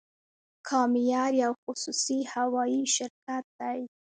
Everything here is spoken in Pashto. کام ایر یو خصوصي هوایی شرکت دی